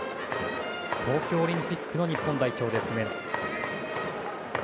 東京オリンピックの日本代表。